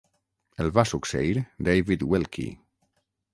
El va succeir David Wilkie.